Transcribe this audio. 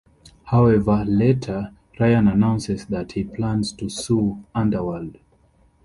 However, later, Ryan announces that he plans to sue Underworld.